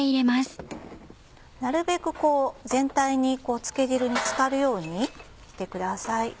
なるべくこう全体に漬け汁に漬かるようにしてください。